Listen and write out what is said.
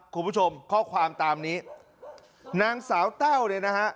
คุณผู้ชมข้อความตามนี้นางสาวแต้วเนี่ยนะฮะ